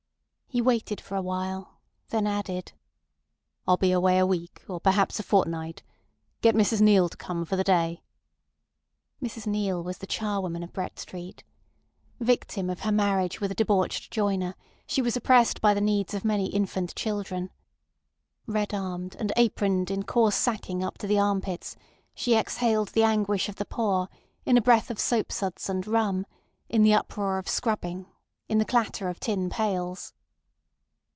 He waited for a while, then added: "I'll be away a week or perhaps a fortnight. Get Mrs Neale to come for the day." Mrs Neale was the charwoman of Brett Street. Victim of her marriage with a debauched joiner, she was oppressed by the needs of many infant children. Red armed, and aproned in coarse sacking up to the arm pits, she exhaled the anguish of the poor in a breath of soap suds and rum, in the uproar of scrubbing, in the clatter of tin pails.